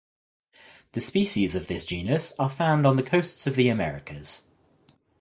The species of this genus are found on the coasts of the Americas.